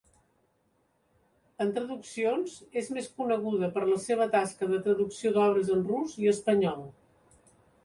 En traduccions és més coneguda per la seva tasca de traducció d'obres en rus i espanyol.